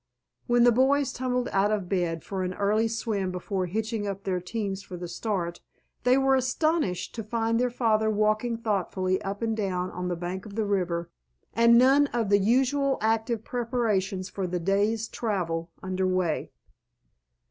When the boys tumbled out of bed for an early swim before hitching up their teams for the start, they were astonished to find their father walking thoughtfully up and down on the bank of the river and none of the usual active preparations for the day's travel under way.